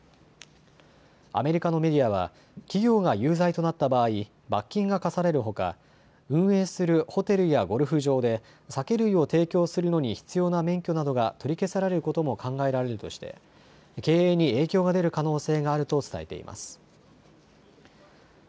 アメリカのメディアは企業が有罪となった場合、罰金が科されるほか運営するホテルやゴルフ場で酒類を提供するのに必要な免許などが取り消されることも考えられるとして経営に影響が出る可能性があると伝えています。